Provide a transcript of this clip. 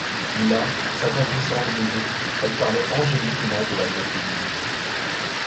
Là, s'attendrissant de nouveau, elle parlait angéliquement de la bonté divine.